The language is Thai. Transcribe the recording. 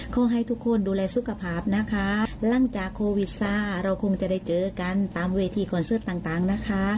ขอให้ทุกคนดูแลสุขภาพนะคะหลังจากโควิดซ่าเราคงจะได้เจอกันตามเวทีคอนเสิร์ตต่างนะคะ